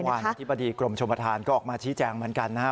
บรรวาลวัฒนฤทธิบดีกรมโฉมประธานก็ออกมาชี้แจ้งเหมือนกันนะ